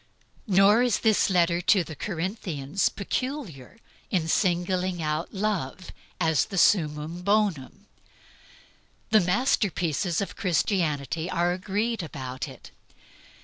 Nor is this letter to the Corinthians peculiar in singling out love as the summum bonum. The masterpieces of Christianity are agreed about it.